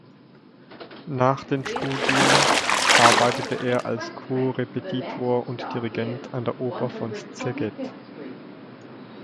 Nach den Studium arbeitete er als Korrepetitor und Dirigent an der Oper von Szeged.